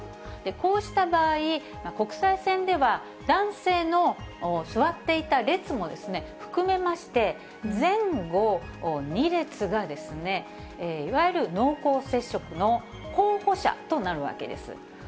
こうした場合、国際線では男性の座っていた列も含めまして、前後２列がいわゆる濃厚接触の候補者となるわけです。